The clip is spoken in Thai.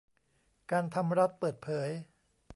การทำรัฐเปิดเผย